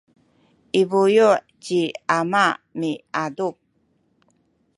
i buyu’ ci ama miadup